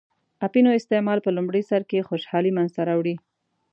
اپینو استعمال په لومړی سر کې خوشحالي منځته راوړي.